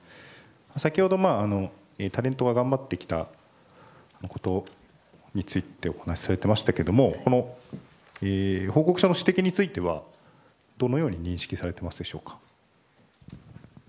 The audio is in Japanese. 先ほど、タレントは頑張ってきたということについてお話しされていましたがこの報告書の指摘についてはどのように認識されていますでしょうか。